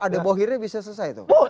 ada bohirnya bisa selesai tuh